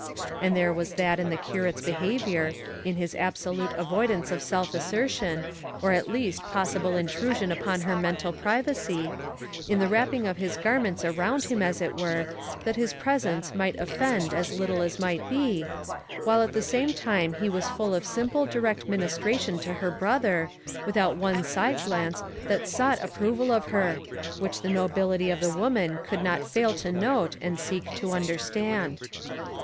And there was that in the curate's behaviour, in his absolute avoidance of self assertion, or the least possible intrusion upon her mental privacy in the wrapping of his garments around him as it were, that his presence might offend as little as might be, while at the same time he was full of simple direct ministration to her brother, without one side glance that sought approval of her, which the nobility of the woman could not fail to note, and seek to understand.